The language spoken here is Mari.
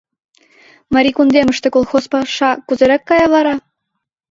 Марий кундемыште колхоз паша кузерак кая вара?